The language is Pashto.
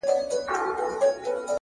عاجزي د پوهې ښکلی ملګری ده؛